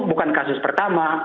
bukan kasus pertama